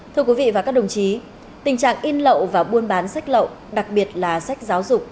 thưa quý vị và các đồng chí tình trạng in lậu và buôn bán sách lậu đặc biệt là sách giáo dục